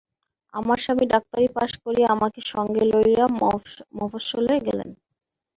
আমার স্বামী ডাক্তারি পাশ করিয়া আমাকে সঙ্গে লইয়া মফস্বলে গেলেন।